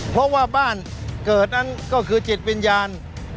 เพราะว่าบ้านเกิดนั้นก็คือจิตวิญญาณ